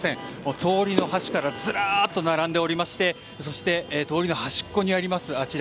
通りの端からずらっと並んでいましてそして通りの端っこにありますあちら